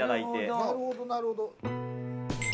なるほどなるほど。